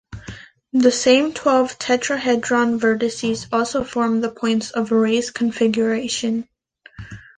The same twelve tetrahedron vertices also form the points of Reye's configuration.